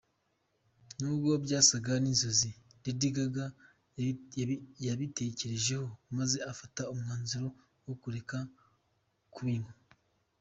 N’ubwo byasaga n’inzozi Lady Gaga yabitekerejeho maze afata umwanzuro wo kureka kubinywa.